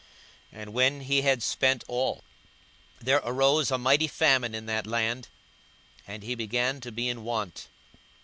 42:015:014 And when he had spent all, there arose a mighty famine in that land; and he began to be in want.